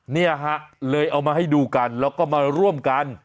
เนี่ยฮะเลยเอามาให้ดูกันแล้วก็มาร่วมกัน